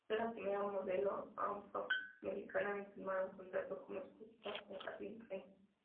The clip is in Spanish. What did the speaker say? Fue la primera modelo afro-americana en firmar un contrato como exclusiva con Calvin Klein.